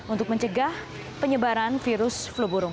untuk mencegah penyebaran virus flu burung